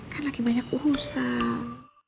kan lagi banyak urusan